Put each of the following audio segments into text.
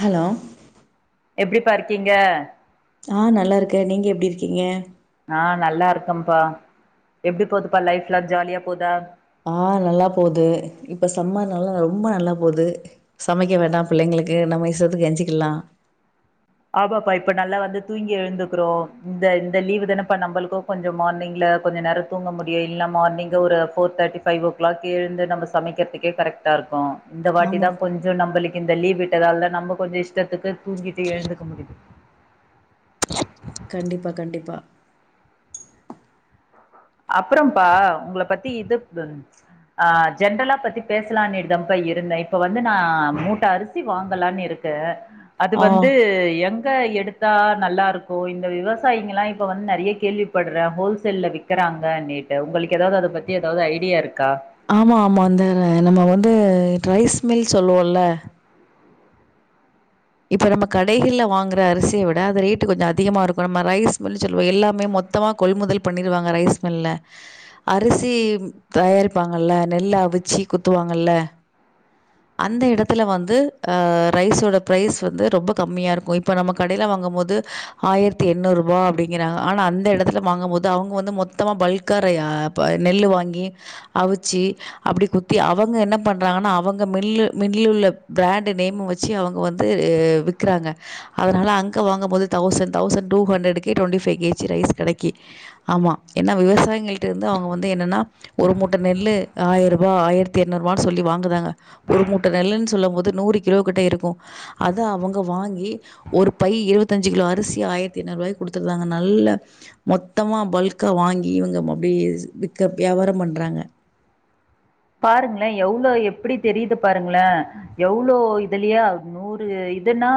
Hello எப்டிப்பாருக்கீங்க ஆஹ் நல்லாருக்கே நீங்க எப்டி இருக்கீங்க ஆஹ் நல்லா இருக்கேன்ப்பா எப்டி போதுப்பா லைப்லாம் ஜாலியா போதா ஆ நல்லா போகுது இப்ப சம்மனாலா ரொம்ப நல்லா போகுது சமைக்க வேண்டா பிள்ளைங்களுக்கு நம்ம இசத்துக்கு க எஞ்சிக்கலா ஆபாப்பா இப்ப நல்லா வந்து தூங்கி எழுந்துக்கிறோ இந்த லீவு் தானேப்பா நம்மளுக்கு கொஞ்ச மார்னிங்ல கொஞ்ச நேர தூங்க முடியும் இல் மார்னிங்க் ஒரு four thirty five o'clock எழுந்து நம்ம சமைக்கிறதுக்கே கரெக்டா இருக்கு இந்த வாட்டி ஆமா தான் கொஞ்ச நம்மளுக் இந்த லீவ்ட்டதால தா நம்ம கொஞ்ச இஷ்டத்துக்கு தூங்கிட்டு எழுந்து முடியது கண்டிப்பா கண்டிப்பா அப்புறம்ப்பா உங்கள பத்தி இது ஆஹ் ஜென்ரலா பத்தி பேசலான்னு இருதேன்ப்பா இருந்தே இப்ப வந்து நா மூட்ட அரிசி வாங்கலான்னு இருக்கே அது ஆ வந்து எங் த எடுத்தா நல்லாருக்கு இந்த விவசாயிங்கல்லா இப்ப வந்து நெறைய கேள்விப்படுறே ஹோல்சேல்ல விக் இருக்கிறாங்கன்னனுட்டு உங்களுக்கு ஏதாவது அதை பத்தி ஏதாவது ஐடியா இருக்கா ஆமா ஆமா இந்த நம்ம வந்து ட்ரைஸ் மில் சொல்லுவோம்ல இப்ப நம்ம கடைகள்ல வாங்குற அரிசிய விட அ ரேட்டு கொஞ்ச அதிகமா இருக்கு நம்ம ரைஸ் மில்னு சொல்லுவோ எல்லாமே மொத்தமா கொள்முதல் பண்ணிருவாங்க ரைஸ் மில்ல அரிசி தயாரிப்பாங்கல்ல நெல்ல அவிச்சு குத்துவாங்கல்ல அந்த இடத்துல வந்து ஆ ரைஸோட பிரைஸ் வந்து ரொம்ப கம்மியா இருக்கும் இப்ப நம்ம கடையில வாங்கும் போது ஆயிரத்தி எண்ணூறு ரூபாய அப்படிங்கறாங்க ஆனா அந்த இடத்துல வாங்கு போது அவங்க வந்து மொத்தமா பல்க்கா நெல்லு வாங்கி அவிச்சு அப்டி குத்தி அவங்க என்ன பண்றாங்கன்னா அவங் மில் மில்லுல்ல பிராண்டு நேம் வச்சு அவங்க வந்து விக்குறாங்க அதனால அங்க வாங்கும்போது தவ்சண்ட் தவ்சண்ட் டூ ஹண்றடுக்கே twenty five K G rice கெடைக்கி ஆம்மா விவசாயங்களட்டருந்து அவங்க வந்து என்னன்னா ஒரு மூட்ட நெல் ஆயிர ரூபா ஆயிரத்தி எநூறு ரூபான்னு சொல்லி வாங்குதாங்க ஒரு மூட்ட நெல்ன்னு சொல்லும் போது நூறு கிலோ கிட்ட இருக்கு அத அவங்க வாங்கி ஒரு பை இருபத்தஞ்சு கிலோ அரிசி ஆயிரத்தி ஐநூறுபாய்கு குடுத்திருந்தாங்க நல்ல மொத்தமா பல்க்கா வாங்கி இவங்க அப்படி விற்க வியாபார பண்றாங்க பாருங்களே எவ்ளோ எப்டி தெரியுது பாருங்களே எவ்ளோ இதுலையா நூறு இதுன்னா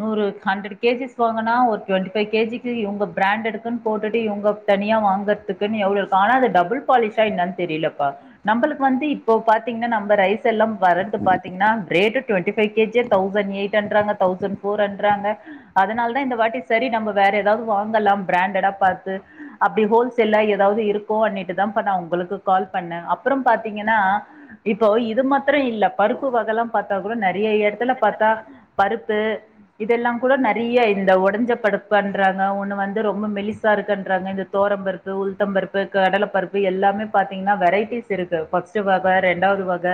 நூறு ஹண்ட்ரட் கே ஜிஸ் வாங்கனா ஒரு டுவெண்ட்டி ஃபைவ் கேஜிக்கு இவங்க பிராண்டடுக்குன்னு போட்டுட்டு இவங்க தனியா வாங்கறதுக்குன்னு எவ்ளவு இருக்கு ஆனா அது டபுள் பாலிஷா என்னானு தெரியலப்பா நம்மளுக்கு வந்து இப்போ பாத்தீங்கன்னா நம்ம ரைஸ் தெல்லா வர்றது பாத்தீங்கன்னா ரேட்டு டுவெண்ட்டி ஃபைவ் கே ஜிய தௌசண் எயிட்டன்றாங்க தௌசண் ஃபோருன்றாங்க அதனால தா இந்த வாட்டி சரி நம்ம வேற எதாவது வாங்கலா ப்ராண்டடா பாத்து அப்டி ஹோல்சேல்லா எதாவது இருக்குன்னிட்டுதாப்பா ஒங்களுக்கு கால் பண்ணே [unintelligible] பாத்தீங்கன்னா இப்போ இது மாத்ர இல்ல பருப்பு வகல்லா பாத்தா கூட நெ றையா எடத்துல பாத்தா பருப் து இதெல்லா கூட நறைய இந்த ஒடஞ்ச பருப்புன்றாங்க ஒன்னு வந்து ரொம்ப மெலிசா இருக்குன்றாங்க இது தொவரம்பருப்பு உளுத்தம்பருப்பு கடலப்பருப்பு எல்லாமே பாத்தீங்கன்னா வெரைட்டிஸ் திருக்கு ஃபஸ்ட் வக ரெண்டாவது வக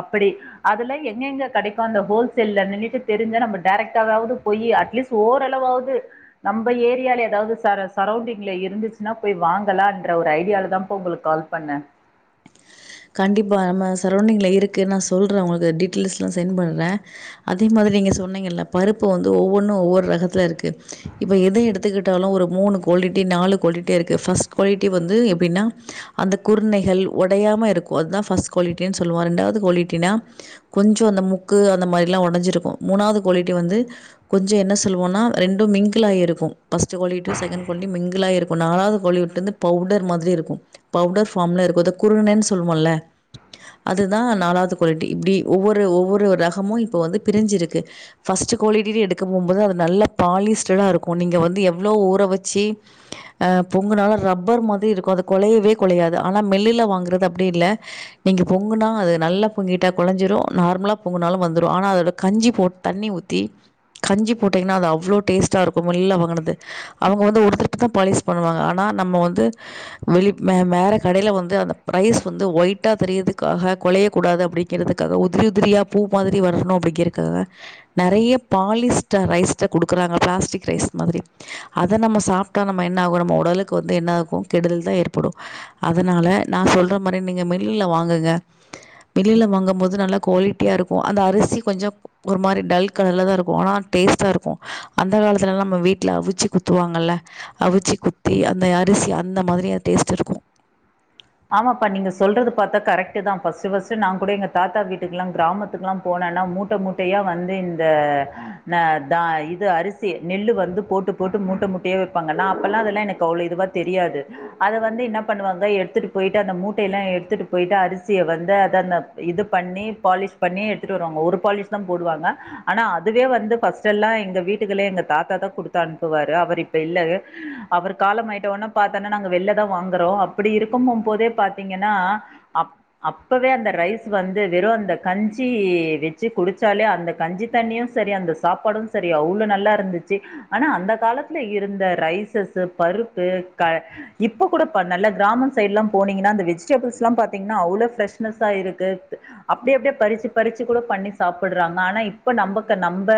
அப்படி அதுல எங்க எங்க கெடைக்கு அந்த ஹோல்சேல்லன்னுக்கு தெரிஞ்சா நம்ம டெரெக்ட்டாவாது போயி அட்லீஸ்ட்டு ஓரளவாவது நம்ப ஏரியால எதாவது சர சரௌண்டிங்ல இருந்துச்சுன்னா போய் வாங்கலான்ற ஒரு ஐடியால தாப்பா ஒங்களுக்கு கால் பண்ண கண்டிப்பா நம்ம சரௌண்டிங்ல இருக்கு நா சொல்றே உங்களுக்கு டீடைல்லிஸ்ட்லா சென்ட் பண்றே அதே மாதிரி நீங்க சொன்னீங்கள பருப்பு வந்து ஒவ்வொன்னு ஒவ்வொரு ரகத்துல இருக்கு இப்ப எதை எடுத்துக்கிட்டாலு ஒரு மூணு குவாலிட்டி நாலு குவாலிட்டியா இருக்கு ஃபஸ்ட் குவாலிட்டி வந்து எப்டின்னா அந்த குர்னைகள் ஒடையாம இருக்கு கு அது தா ஃபஸ்ட் குவாலிட்டின்னு சொல்வோ ரெண்டாவது குவாலிட்டினா கொஞ்சோ அந்த முக்கு அந்த மாதிரிலா உடைஞ்சிருக்கும் மூணாவது குவாலிட்டி வந்து கொஞ்சம் என்ன சொல்லுவோம்னா ரெண்டும் மிங்கல ஆயி இருக்கும் first quality to second quality மிங்கலாயிருது இப்ப நாலாவது குவாலிவுட்லருந்து பவுடர் மாதிரி இருக்கு பவுடர் ஃபார்ம்ல இருக்கு இந்த குருனன்னு சொ துல்லுவோல்ல அதுதா நாலாது குவாலிட்டி இப்டி ஒவ்வொரு ஒவ்வொரு ரகமு இப்ப வந்து பிரிஞ்சிருக்கு ஃபஸ்ட்டு குவாலிட்டின்னு எடுக்க போம்போது அது நல்லா பாலிஸ்ட்டடா இருக்கு நீங்க வந்து எவ்ளோ ஊற வச்சு அ பொங்குனாலு ரப்பர் மாதிரி இருக்கு அது கொழயவே கொழையாது ஆனா மெல்லுல்ல வாங்கறது அப்டி இல்ல நீங்க பொங்குனா அது நல்லா பொங்கிட்டா கொழஞ்சிரு நார்மலா பொங்குனாலு வந்துரு ஆனா அதோட கஞ்சி போட் தண்ணி ஊத்தி கஞ்சி போட்டீங்கன்னா அது அவ்ளோ டேஸ்ட்டா இருக்கு மெல்லுல வாங்குனது அவங்க வந்து ஒரு ட்ரிப் தா பாலிஸ் பண்ணுவாங்க ஆனா நம்ம வந்து வெளி வே வேற கடையில வந்து அந்த ரைஸ் வந்து ஒய்ட்டா தெரியறதுக்காக கொழையக்கூடாது அப்டிங்குறதுக்காக உதிரி உதிரியா பூ மாதிரி வரணும் அப்டிங்குறக்காக நெறைய பாலிஸ்ட்ட ரைஸ்தா குடுக்குறாங்க பிளாஸ்டிக் ரைஸ் மாதிரி அத நம்ம சாப்ட்டா நம்ம என்னாகுவோ நம்ம ஒடலுக்கு வந்து என்னாகும் கெடுதல் தா ஏற்படு அதனால நா சொல்ற இந்த மாரி நீங்க மில்லுல வாங்குங்க மில்லுல வாங்கும் போது நல்லா குவாலிட்டியா இருக்கு அந்த அரிசி கொஞ்சோ ஒரு மாரி டல் கலர்ல தா இருக்கு ஆனா டேஸ்ட்டாருக்கு அந்த காலத்துலலா நம்ம வீட்ல அவுச்சி குத்துவாங்கல்ல அவிச்சி குத்தி அந்த அரிசி அந்த மாதிரியா டேஸ்ட்டிருக்கு ஆமாப்பா நீங்க சொல்றத கரெக்ட்டு தாப்பா சிவசு நா கூட எங்க தாத்தா வீட்டுக்கெல்லா கிராமத்துக்கெல்லா போனன்னா மூட்ட மூட்டையா வந்து இந்த ந தா இது அரிசி நெல்லு வந்து போட்டு போட்டு மூட்ட மூட்டையா வைப்பாங்க நா அப்பெல்லா அதெல்லா எனக்கு அவ்ளோ இதுவா தெரியாது அத வந்து என்ன பண்ணுவாங்க எடுத்துட்டு போய்ட்டு அந்த மூட்டையெல்லா எடுத்துட்டுப்போய்ட்டு அரிசிய வந்து அத அந்த இது பண்ணி பாலிஷ் பண்ணி எடுத்துட்டு வருவாங்க ஒரு பாலிஷ் தா போடுவாங்க ஆனா அதுவே வந்து ஃபஸ்ட்டெல்லா எங்க வீட்டுக்குலே எங்க தாத்தா தா குடுத்து அம்ப்புவாரு அவரு இப்ப இல்ல அவரு காலமாய்ட்டவொன்ன பாத்தன்னா நாங்க வெளில தா வாங்கறோ அப்படிருக் தும்மப்போதே பாத்தீங்கன்னா அப் அப்பவே அந்த ரைஸ் வந்து வெறு அந்த கஞ்சி வெச்சு குடிச்சாலே அந்த கஞ்சி தண்ணியு செரி அந்த சாப்பாடு செரி அவ்ளோ நல்லாயிருந்துச்சு. ஆனா அந்த காலத்துல இருந்த ரைஸஸ்ஸு பருப்பு க இப்ப கூட நல்ல கிராமம் சைட்லலா போனீங்கன்னா அந்த வெஜிடேபிள்ஸ்லா பாத்திங்கன்னா அவ்ளோ ஃப்ரெஷ்னஸ்ஸா இருக்கு அப்டியப்டியே பறிச்சி பறிச்சிக்கூட பண்ணி சாப்புட்றாங்க ஆனா இப்ப நம்பக்கு நம்ப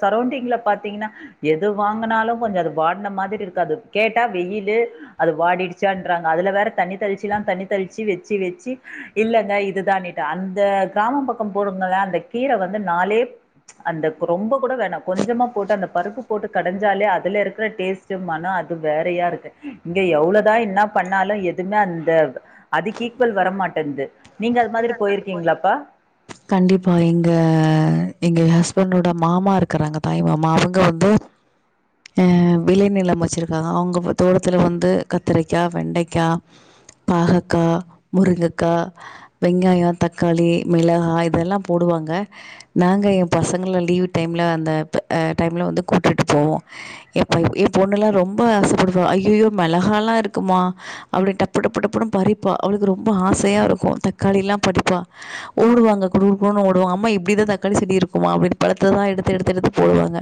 சரவுண்டுங்ல பாத்திங்கன்னா எது வாங்கினாலு கொஞ்ச அது வாட்ன மாதிரி இருக்காது கேட்டா வெயில்லு அது வாடிடுச்சான்றாங்க அதுல வேற தண்ணி தெளிச்சில்லா தண்ணி தெளிச்சி வெச்சி வெச்சி இல்லங்க இதுதானிட்டா அந்த கிராமம் பக்க போருங்கள அந்த கீர வந்து நாலே அந்த ரொம்பக்கூட வேணா கொஞ்சமா போட்டு அந்த பருப்பு போட்டு கடைஞ்சாலே அது இதுல இருக்கிற டேஸ்ட்டு மண அது வேறையாருக்கு இங்க எவ்ளோ தா என்னா பண்ணாலு எது எதுமே அந்த அதுக் ஈக்குவல் வரமாட்டந்து கண்டிப்பா எங்க எங்க ஹஸ் பண்டோட மாமா இருக்கறாங்க தாய் மாமா அவங்க வந்து அ விளைநிலம் வச்சிருக்காங்க அவங்க தோட்டத்துல வந்து கத்திரக்கா வெண்டைக்கா பாஹக்கா முருங்கக்கா வெங்காய தக்காளி மிளகா இதெல்லா போடுவாங்க நாங்க எ பசங்கள லீவ் டைம்ல ஆ அந்த டைம்ல் வந்து கூட்டிட்டு போவோ எ பை எ பொண்ணுலா ரொம்ப ஆசப்படுவா அய்யய்யோ மெளகாலா இருக்குமா அப்டின்னு டப்பு டப்பு டப்புன்னு பறிப்பா அவளுக்கு ரொம்ப ஆசையாருக்கு த க்காளிலா பறிப்பா ஓடுவாங்க குடு குடு குடுன்னு ஓடுவாங்க அம்மா இப்டிதா தக்காளி செடி இருக்குமா அப்டி பழத்தெல்லா எடுத்து எடுத்து எடுத்து போடுவாங்க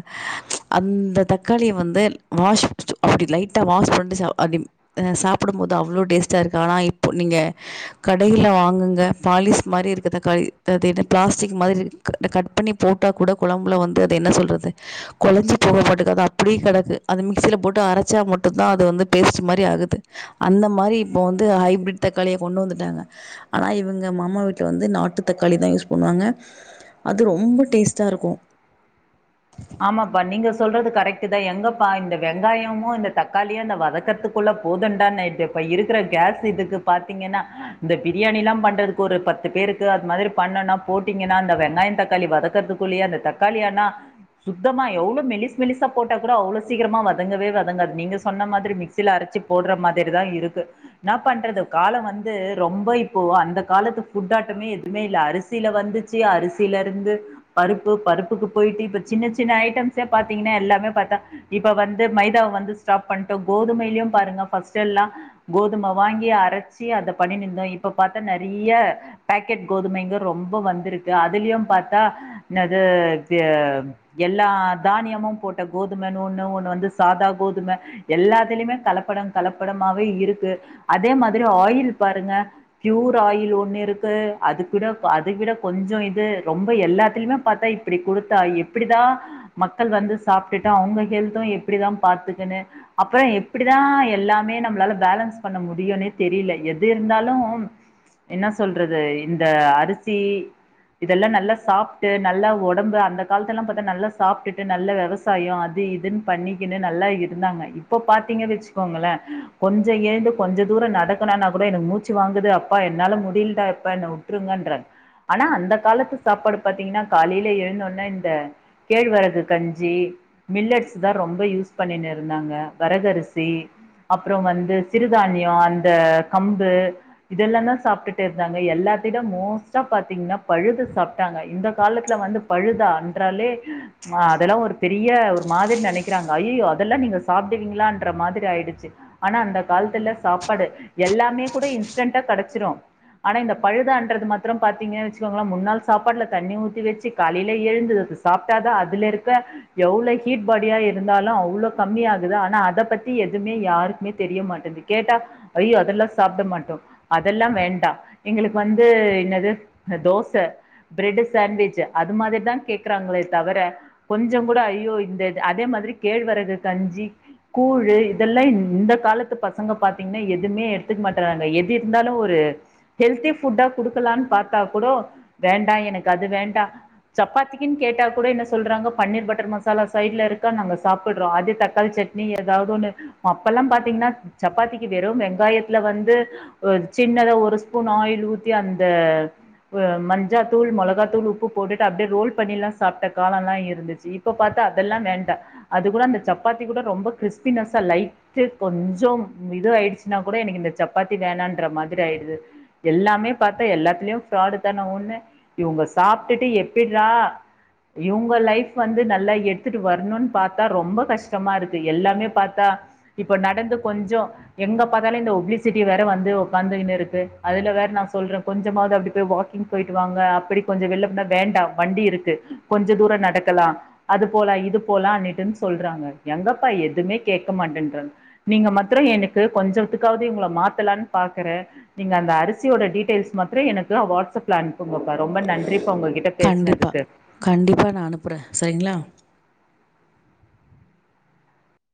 அந்த தக்காளிய வந்து வாஷ் அப்டி லைட்டா வாஷ் பண்ட்டு சாப் [unintelligible] அ சாப்புடும்போது அவ்ளோ டேஸ்ட்டாருக்கு ஆனா இப்போ நீங்க கடையில வாங்குங் ங்க பாலிஷ் மாரி இருக்க தக்காளி த இந்த பிளாஸ்டிக் மாதிரி இருக் அத கட் பண்ணி போட்டா கூட கொழம்புல வந்து அத என்ன சொல்றது குழஞ்சி போகட்டுக்குது அது அப்படியே கெடக்கு அத மிக்சில போட்டு அரைச்சா மட்டு தா அது வந்து பேஸ்ட்டு மாரி ஆகுது அந்த மாரி இப்போ வந்து ஹைபிரிட் தக்காளிய கொண்டு வந்துட்டாங்க ஆனா இவங்க மாமா வீட்ல வந்து நாட்டு தக்காளி தா யூஸ் பண்ணுவாங்க அது ரொம்ப டேஸ்ட்டாருக்கு க்குத எங்கப்பா இந்த வெங்காயமு இந்த தக்காளியு அந்த வதக்கறத்துக்குள்ள போதுண்டான்னு ஆயிடுதேப்பா இருக்கிற கேஸ் இதுக்கு பாத்தீங்கன்னா இந்த பிரியாணிலா பண்றதுக்கு ஒரு பத்து பேருக்கு அது மாதிரி பண்ணன்னுனா போட்டீங்கன்னா அந்த வெங்காயம தக்காளி வதக்கறதுக்குள்ளயே அந்த தக்காளியானா சுத்தமா எவ்ளோ மெலிஸ் மெலிசா போட்டாக்கூட அவ்ளோ சீக்கிரமா வதங்கவே வதங்காது நீங்க சொன்ன மாதிரி மிக்சில அரைச்சு போட்ற மாதிரிதா இருக்கு என்னா பண்றது கால வந்து ரொம்ப இப்போ அந்த காலத்து ஃபுட்டாட்டமே எதுவுமே இல்ல அரிசில வந்துச்சு அரிசிலருந்து பருப்பு பருப்புக்கு போயிட்டு இப்ப சின்ன சின்ன ஐட்டம்ஸே பாத்தீங்கன்னா எல்லாமே பாத்தா இப்ப வந்து மைதாவ வந்து ஸ்டாப் பண்ணிட்டோ கோதுமையிலயு பாருங்க ஃபஸ்ட்டெல்லா கோதும வாங்கி அரச்சி அத பண்ணின்னுருந்தோ இப்ப பாத்தா நெறைய பேக்கெட் கோதுமைங்க ரொம்ப வந்துருக்கு அதுலியு பாத்தா என்னது க எல்லா தானியமு போட்ட கோதுமன்னு ஒன்னு ஒன்னு வந்து சாதா கோதும எல்லாத்திலியுமே கலப்பட கலப்படமாவே இருக்கு அதே மாதிரி ஆயில் பாருங்க ப்யூர் ஆயில் ஒன்னு இருக்கு அதுக்கூட அதை விட கொஞ்சோ இது ரொம்ப எல்லாத்திலியுமே பாத்தா இப்டி குடுத்தா இப் இப்டிதா மக்கள் வந்து சாப்ட்டுட்டு அவங்க ஹெல்தும் எப்டிதா பாத்துக்கன்னு அப்ற எப்டிதா எல்லாமே நம்மளால பேலன்ஸ் பண்ண முடியுன்னே தெரியில எது இருந்தாலு என்ன சொல்றது இந்த அரிசி இதெல்லா நல்லா சாப்ட்டு நல்லா ஒடம்பு அந்த காத்துலலா நல்லா சாப்ட்டுட்டு நல்ல விவசாய அது இதுன்னு பண்ணிக்கினு நல்லா இருந்தாங்க இப்ப பாத்தீங்க வச்சுக்கோங்களே கொஞ்ச எழுந்து கொஞ்ச தூர நடக்கணுன்னா கூட எனக்கு மூச்சு வாங்குது அப்பா என்னால முடியலடா எப்ப என்னவுட்டுருங்கன்றாங்க ஆனா அந்த காலத்து சாப்பாடு பாத்தீங்கன்னா காலைல எழுந்தவொன்ன வ கேழ்வரகு கஞ்சி மில்லட்ஸ் தா ரொம்ப யூஸ் பண்ணின்னு இருந்தாங்க வரகரிசி அப்ற வந்து சிறுதானிய அந்த கம்பு இதெல்லா தா சாப்ட்டுட்டு இருந்தாங்க எல்லாத்த விட மோஸ்ட்டா பாத்திங்கன்னா பழுது சாப்ட்டாங்க இந்த காலத்துல வந்து பழுதா ட்றாலே ஆ அதெல்லா ஒரு பெரிய ஒரு மாதிரி நெனைக்கிறாங்க ஐய் யய்யோ அதெல்லா நீங்க சாப்டுவீங்களான்ற மாதிரி ஆயிடுச்சு ஆனா அந்த காலத்துல சாப்பாடு எல்லாமே கூட இன்ஸ்டன்ட்டா கெடச்சிடு ஆனா இந்த பழுதான து மாத்தர பாத்தீங்கன்னு வச்சுக்கோங்களே முன்னாள் சாப்பாட்ல தண்ணி ஊத்தி வச்சு காலையில எழுந்து சாப்ட்டா தா அதுல இருக்க எவ்ள ஹீட் பாடியா இருந்தாலு அவ்ளோ கம்மியாகுதா ஆனா அத பத்தி எதுமே யாருக்குமே தெரிய மாட்டேந்து கேட்டா ஐயோ அதெல்லா சாப்ட மாட்டோ அதெல்லா வேண்டா எங்களுக்கு வந்து என்னது இந்த தோச ப்ரெடு சாண்ட்விச் அது மாதிரி தா கேக் ருங்களே தவர கொஞ்ச கூட அய்யயோ இந்த இது அதே மாதிரி கேழ்வரகு கஞ்சி கூழு இதெல்லா இந்த காலத்து பசங்க பாத்தீங்கன்னா எதுமே எடுத்துக்க மாட்றாங்க எது இருந்தாலு ஒரு ஹெல்த்தி ஃபுட்டா குடுக்கலான்னு பாத்தா கூடோ வேண்டா எனக்கு அது வேண்டா சப்பாத்தி க்குன்னு கேட்டா கூட என்ன சொல்றாங்க பன்னீர் பட்டர் மசாலா சைட்ல இருக்கா நாங்க சாப்பிட்றோ அதே தக்காளி சட்னி எதாவது ஒன்னு அப்பல்லா பாத்தீங்கன்னா சப்பாத்திக்கு வெறு வெங்காயத்துல வந்து ஒரு சின்னதா ஒரு ஸ்பூன் ஆயில் ஊத்தி அந்த வ மஞ்சாத்தூள் மொளகாத்தூள் உப்பு போட்டுட்டு அப்டியே ரோல் பண்ணில்லா சாப்ட்ட காலல்லா இருந்துச்சு இப்ப பாத்தா அதெல்லா வேண்டா அது கூட அந்த சப்பாத்தி கூட ரொம்ப க்ரிஸ்ப்பினஸ்ஸா லைட்டு கொஞ்சோ இது ஆயிடுச்சுன்னா கூட எனக்கு இந்த சப்பாத்தி வேணான்ற மாதிரி ஆயிடுது எல்லாமே பாத்தா எல்லாத்திலியு ஃப்ராடு தான ஒன்னு இவுங்க சாப்ட்டுட்டு எப்பிட்ரா இவங்க லைஃப் வந்து நல்லா எடுத்துட்டு வரணும்ன்னனு பார்த்தா ரொம்ப கஷ்டமா இருக்கு எல்லாமே பார்த்தா இப்ப நடந்து கொஞ்சம் எங்க பார்த்தாலும் இந்த ஒப்ளிசிட்டி வேற வந்து உ்காந்துன்னு இருக்கு அதுல வேற நான் சொல்றேன் கொஞ்சமாவது அப்படி போய் வாக்கிங் போயிட்டு வாங்க அப்படி கொஞ்சம் வெளிலனா வேண்டாம் வண்டி இருக்கு கொஞ்ச தூரம் நடக்கலாம் அது போலாம் இது போலாம் அட்டுன்னு சொல்றாங்க எங்கப்பா எதுவுமே கேட்க மாட்டேன்றன் நீங்க மாத்தம் எனக்கு கொஞ்சத்துக்காவது உங்களை மாத்தலாம்னு பாக்குற நீங்க அந்த அரிசியோட டீட்டெயில்ஸ்ம் எனக்கு வாட்ஸ்ப்லனு உங்கப்பா ரொம்ப நன்றிப்பா உங்ககிட்ட பேசுினதுக்கு கண்டிப்பா நான் அனுப்புறேன் சரிங்களா